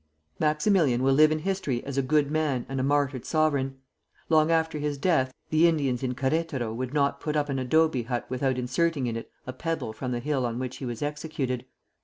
Maximilian will live in history as a good man and a martyred sovereign. Long after his death, the Indians in Queretaro would not put up an adobe hut without inserting in it a pebble from the hill on which he was executed.